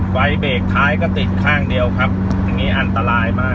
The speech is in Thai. เบรกท้ายก็ติดข้างเดียวครับอันนี้อันตรายมาก